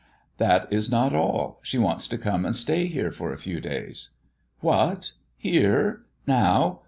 "That is not all. She wants to come and stay here for a few days." "What! Here? Now?